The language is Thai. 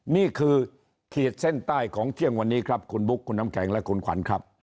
นี่คือขีดเส้นใต้ของเที่ยงวันนี้ครับคุณบุ๊คคุณน้ำแข็งและคุณขวัญครับ